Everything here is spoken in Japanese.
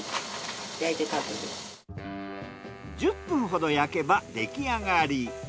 １０分ほど焼けばできあがり。